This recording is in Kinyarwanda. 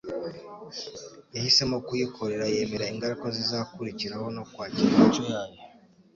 Yahisemo kuyikorera yemera ingaruka zizakurikiraho no kwakira imico yayo.